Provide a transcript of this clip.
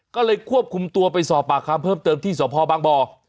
ก็เลยควบคุมตัวไปสอบปากคำเพิ่มเติมที่สพบางบ่อ